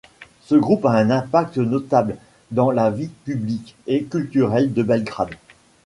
Ce groupe a un impact notable dans la vie publique et culturelle de Belgrade.